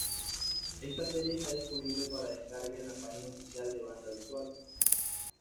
Esta serie está disponible para descarga en la página oficial de Bandai Visual.